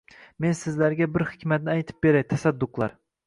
Men sizlarga bir hikmatni aytib beray, tasadduqlar.